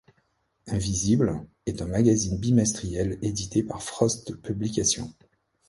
Invisible est un magazine bimestriel édité par Frost Publication.